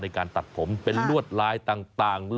ในการตัดผมเป็นลวดลายต่าง